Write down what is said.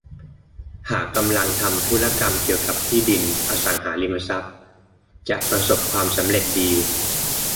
หากกำลังทำธุรกรรมเกี่ยวกับที่ดิน อสังหาริมทรัพย์ จะประสบความสำเร็จดี